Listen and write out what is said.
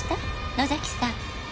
野崎さん」